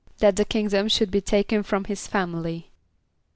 =That the kingdom should be taken from his family.